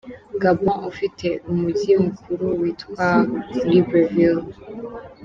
Gabon ufite umujyi mukuru witwa Libreville.